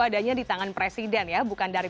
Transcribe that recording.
adanya di tangan presiden ya bukan dari